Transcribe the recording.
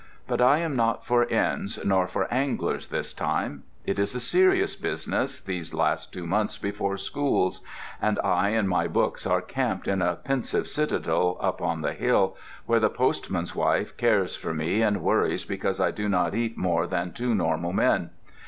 But I am not for inns nor for anglers this time. It is a serious business, these last two months before Schools, and I and my books are camped in a "pensive citadel" up on the hill, where the postman's wife cares for me and worries because I do not eat more than two normal men.